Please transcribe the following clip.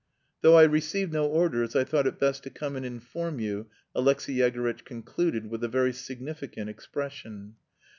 "Though I received no orders I thought it best to come and inform you," Alexey Yegorytch concluded with a very significant expression.